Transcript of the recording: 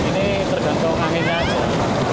ini tergantung anginnya aja